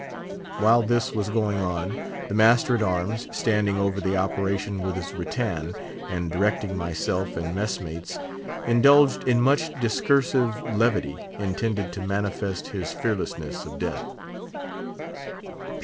While this was going on, the master at arms—standing over the operation with his rattan, and directing myself and mess mates—indulged in much discursive levity, intended to manifest his fearlessness of death.